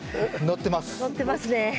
のってますね。